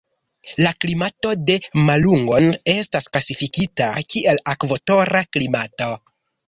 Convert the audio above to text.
La klimato de Malungon estas klasifikita kiel ekvatora klimato.